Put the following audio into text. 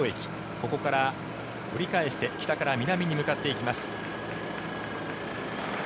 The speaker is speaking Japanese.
ここから折り返して北から南に向かっていきます。